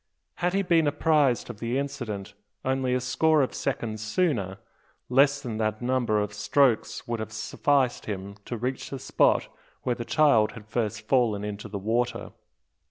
Had he been apprised of the accident only a score of seconds sooner, less than that number of strokes would have sufficed him to reach the spot where the child had first fallen into the water.